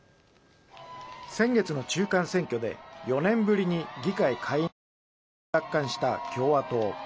先月の中間選挙で４年ぶりに議会下院の多数派を奪還した共和党。